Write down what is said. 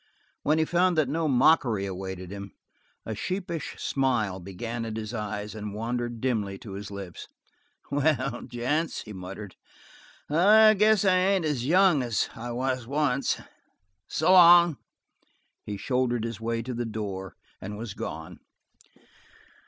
When he found that no mockery awaited him, a sheepish smile began at his eyes and wandered dimly to his lips. "Well, gents," he muttered, "I guess I ain't as young as I was once. S'long!" He shouldered his way to the door and was gone.